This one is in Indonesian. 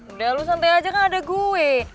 udah lo santai aja kan ada gue